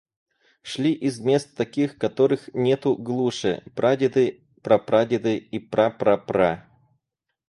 Шли из мест таких, которых нету глуше, — прадеды, прапрадеды и пра пра пра!..